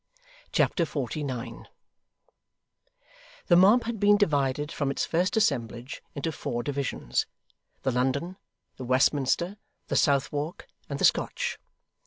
Chapter 49 The mob had been divided from its first assemblage into four divisions; the London, the Westminster, the Southwark, and the Scotch.